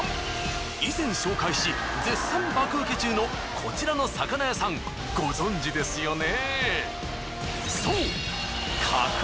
以前紹介し絶賛爆ウケ中のこちらの魚屋さんご存じですよね？